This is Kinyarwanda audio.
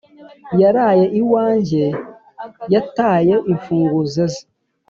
Yaraye iwanjye yataye imfunguzo ze